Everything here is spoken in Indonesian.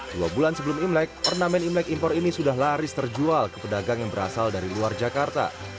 dua bulan sebelum imlek ornamen imlek impor ini sudah laris terjual ke pedagang yang berasal dari luar jakarta